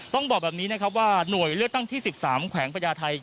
ต้องบอกแบบนี้นะครับว่าหน่วยเลือกตั้งที่๑๓แขวงพญาไทย